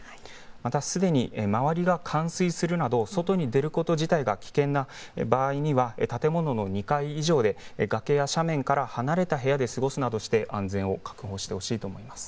また、すでに周りが冠水するなど外に出ること自体が危険な場合には建物の２階以上で崖や斜面から離れた部屋で過ごすなどして、安全を確保してほしいと思います。